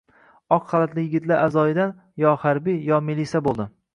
Oq xalatli yigitlar avzoyidan... yo harbiy, yo melisa bo‘ldi.